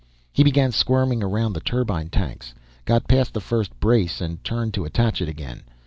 He began squirming around the turbine tanks, got past the first brace, and turned to attach it again.